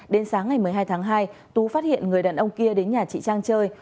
đến sáng ngày một mươi hai tháng hai tú phát hiện người đàn ông kia đến nhà chị trang chơi